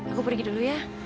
aku pergi dulu ya